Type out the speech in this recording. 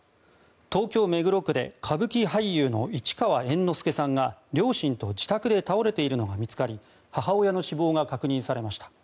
東京・目黒区で歌舞伎俳優の市川猿之助さんが両親と自宅で倒れているのが見つかり母親の死亡が確認されました。